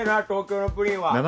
東京のプリンは。